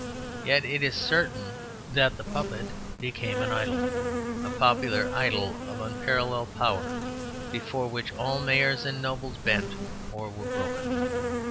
Yet it is certain that the puppet became an idol; a popular idol of unparalleled power, before which all mayors and nobles bent or were broken.